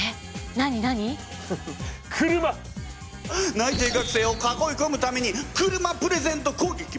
内定学生を囲いこむために車プレゼントこうげき！